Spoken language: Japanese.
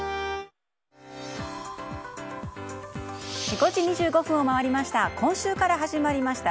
５時２５分を回りました。